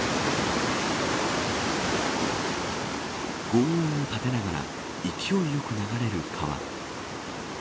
ごう音を立てながら勢いよく流れる川。